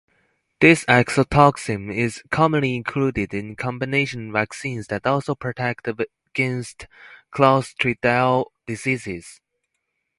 This exotoxin is commonly included in combination vaccines that also protect against clostridial diseases.